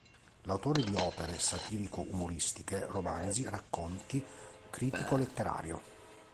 L'autore di opere satirico-umoristiche, romanzi, racconti, critico letterario.